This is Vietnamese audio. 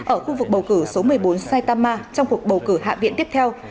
ở khu vực bầu cử số một mươi bốn saitama trong cuộc bầu cử hạ viện tiếp theo